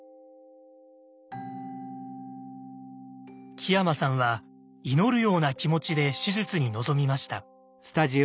木山さんは祈るような気持ちで手術に臨みました。